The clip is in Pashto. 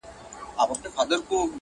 سیال له سیال له سره ملګری ښه ښکارېږي؛